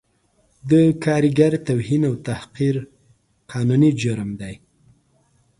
د کارګر توهین او تحقیر قانوني جرم دی